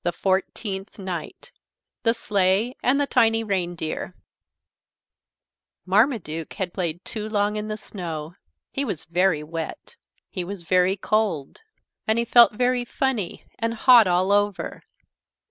FOURTEENTH NIGHT THE SLEIGH AND THE TINY REINDEER Marmaduke had played too long in the snow. He was very wet. He was very cold. And he felt very funny and hot all over.